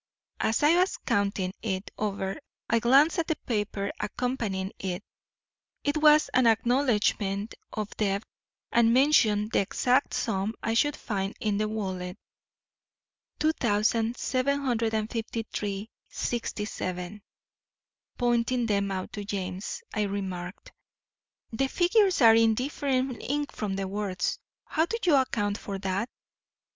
As I was counting it over I glanced at the paper accompanying it. It was an acknowledgment of debt and mentioned the exact sum I should find in the wallet $2753.67. Pointing them out to James, I remarked, 'The figures are in different ink from the words. How do you account for that?'